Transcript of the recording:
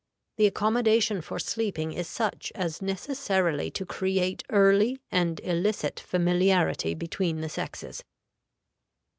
The accommodation for sleeping is such as necessarily to create early and illicit familiarity between the sexes."